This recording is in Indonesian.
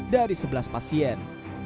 dari sebelas pasien